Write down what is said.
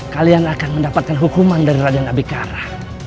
kalian akan mendapatkan hukuman dari raden abikara